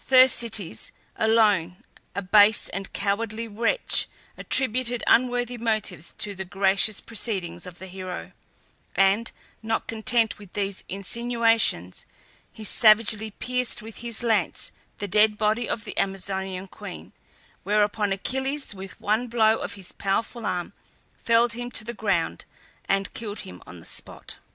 Thersites alone, a base and cowardly wretch, attributed unworthy motives to the gracious proceedings of the hero; and, not content with these insinuations, he savagely pierced with his lance the dead body of the Amazonian queen; whereupon Achilles, with one blow of his powerful arm, felled him to the ground, and killed him on the spot.